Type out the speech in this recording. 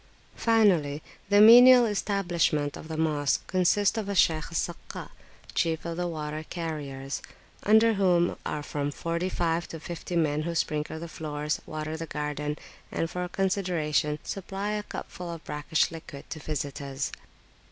Finally, the menial establishment of the Mosque consists of a Shaykh al Sakka (chief of the water carriers), under whom are from forty five to fifty men who sprinkle the floors, water the garden, and, for a consideration, supply a cupful of brackish liquid to visitors.